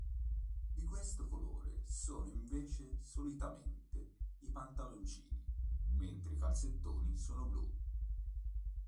Di questo colore sono invece solitamente i pantaloncini, mentre i calzettoni sono blu.